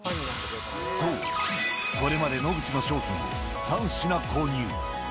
そう、これまで野口の商品を３品購入。